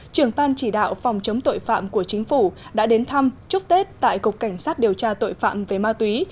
trưởng ban chỉ đạo phòng chống tội phạm của chính phủ đã đến thăm chúc tết tại cục cảnh sát điều tra tội phạm về ma túy